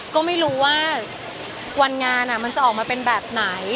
ก็ไม่รู้ว่าวันงานมันจะออกมาเป็นแบบไหน